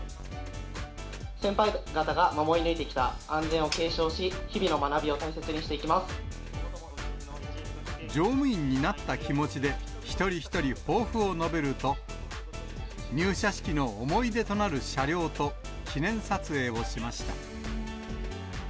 先輩方が守り抜いてきた安全を継承し、乗務員になった気持ちで、一人一人抱負を述べると、入社式の思い出となる車両と記念撮影をしました。